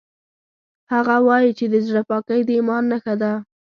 هغه وایي چې د زړه پاکۍ د ایمان نښه ده